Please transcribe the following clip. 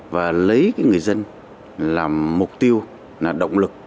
và lấy người dân làm mục tiêu là động lực